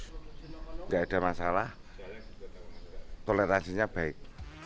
tidak ada masalah toleransinya baik